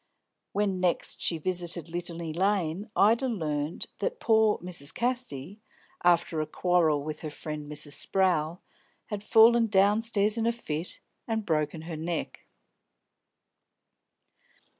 When next she visited Litany Lane, Ida learnt that "pore Mrs. Casty," after a quarrel with her friend Mrs. Sprowl, had fallen downstairs in a fit and broken her neck.